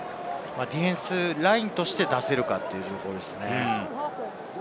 ディフェンスラインとして出せるかですね。